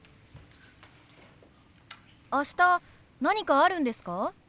明日何かあるんですか？